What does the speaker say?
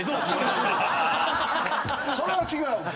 それは違う。